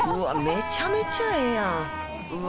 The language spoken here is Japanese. めちゃめちゃええやんうわ